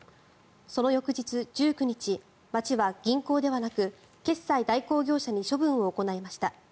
その翌日、１９日町は銀行ではなく決済代行業者に処分を行いました。